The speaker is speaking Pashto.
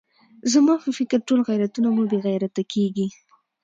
زما په فکر ټول غیرتونه مو بې غیرته کېږي.